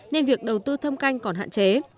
nên việc đầu tư thâm canh còn hạn chế